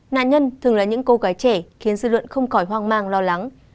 nạn nhân thường là những cô gái trẻ khiến dư luận không khỏi hoang mang lo lắng